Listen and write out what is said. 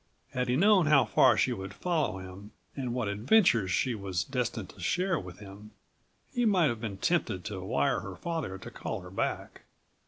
Had he known how far she would follow him and what adventures she was destined to share with him, he might have been tempted to wire her father to call her back.